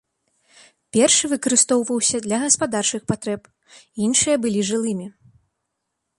Першы выкарыстоўваўся для гаспадарчых патрэб, іншыя былі жылымі.